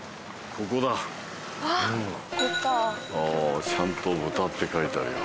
ここかああちゃんと「豚」って書いてあるよ